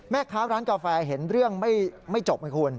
แม่ค้าร้านกาแฟเห็นเรื่องไม่จบไงคุณ